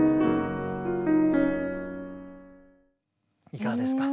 いかがですか？